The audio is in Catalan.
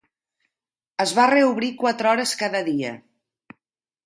Es va reobrir quatre hores cada dia.